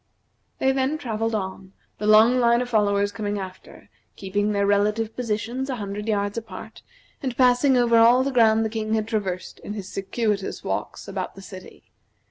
They then travelled on, the long line of followers coming after, keeping their relative positions a hundred yards apart, and passing over all the ground the King had traversed in his circuitous walks about the city.